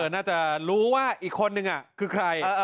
น่าจะรู้ว่าอีกคนนึงคือใคร